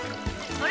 あれ？